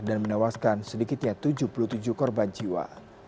dan menawaskan sedikitnya tujuh puluh tujuh korban jiwa